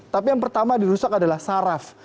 tapi yang pertama dirusak adalah saraf